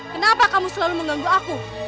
kenapa kamu selalu mengganggu aku